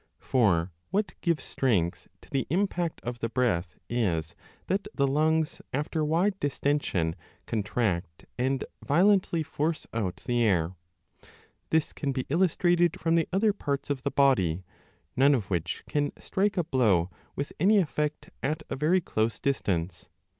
For what gives strength to the impact of the breath is that the lungs 5 after wide distension contract and violently force out the air. This can be illustrated from the other parts of the body, none of which can strike a blow with any effect at a very close distance.